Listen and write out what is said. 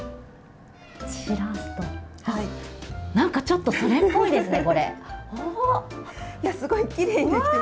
なんかちょっとそれっぽいですね。